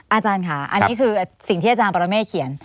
อาจารย์ค่ะอันนี้คือสิ่งที่อาจารย์ปรเมฆเขียน